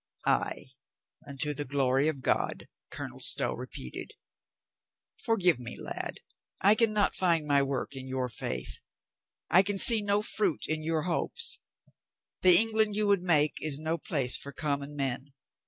"Ay, unto the glory of God," Colonel Stow re peated. "Forgive me, lad. I can not find my work in your faith. I can see no fruit in your hopes. The England you would make is no place for com mon men.